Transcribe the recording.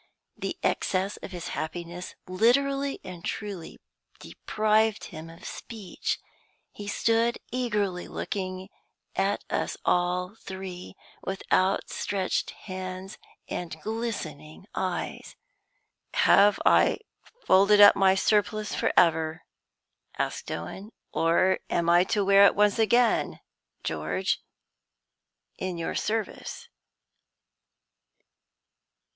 The excess of his happiness literally and truly deprived him of speech. He stood eagerly looking at us all three, with outstretched hands and glistening eyes. "Have I folded up my surplice forever," asked Owen, "or am I to wear it once again, George, in your service?"